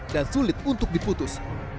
dan sulit untuk diputus